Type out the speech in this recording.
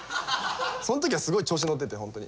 そん時は、すごい調子に乗っていて本当に。